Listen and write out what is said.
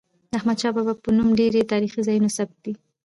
د احمدشاه بابا په نوم ډیري تاریخي ځایونه ثبت دي.